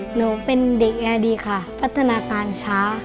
หนูเป็นเด็กแอร์ดีค่ะพัฒนาการช้า